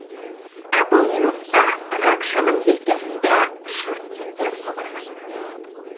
Ә был минутта Ракшаның елкәһендә шырт йөндәр ҡабарғайны.